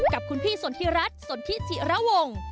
กับคุณพี่สนทิรัฐสนทิจิระวง